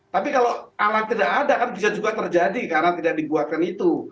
tapi kalau alam tidak ada kan bisa juga terjadi karena tidak dibuatkan itu